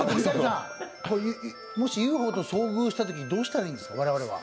もしＵＦＯと遭遇したときにどうしたらいいんですか、我々は。